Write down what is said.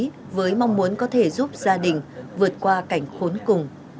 cô đã đồng ý với mong muốn có thể giúp gia đình vượt qua cảnh khốn cùng